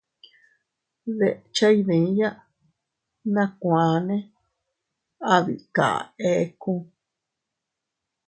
Deche iydiya, nakuane abika ekku.